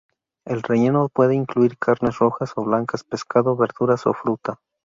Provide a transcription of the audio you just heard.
El relleno puede incluir carnes rojas o blancas, pescado, verduras o fruta.